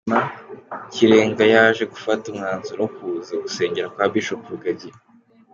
Nyuma kirenga yaje gufata umwanzuro wo kuza gusengera kwa Bishop Rugagi.